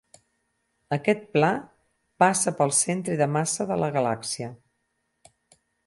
Aquest pla passa pel centre de massa de la galàxia.